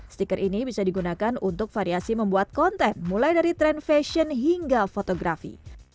stiker ini bisa digunakan untuk variasi membuat konten mulai dari tren fashion hingga fotografi